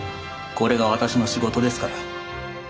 これが私の仕事ですから。